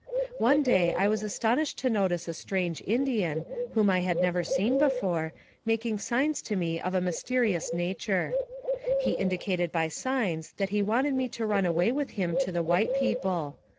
One day I was astonished to notice a strange Indian, whom I had never seen before, making signs to me of a mysterious nature. He indicated by signs that he wanted me to run away with him to the white people.